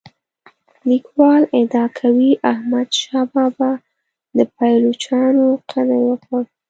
لیکوال ادعا کوي احمد شاه بابا د پایلوچانو قدر وکړ.